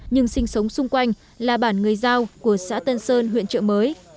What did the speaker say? nhưng sinh sống xung quanh là bản người giao của xã tân sơn huyện trợ mới